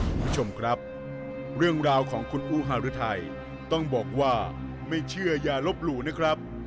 คุณผู้ชมครับเรื่องราวของคุณอูฮารุทัยต้องบอกว่าไม่เชื่ออย่าลบหลู่นะครับ